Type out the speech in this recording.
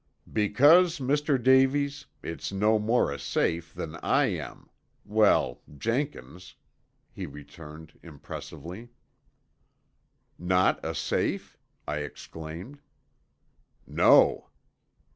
"Because, Mr. Davies, it's no more a safe than I am well Jenkins," he returned impressively. "Not a safe?" I exclaimed. "No."